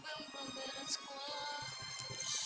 bapakmu belum bayaran sekolah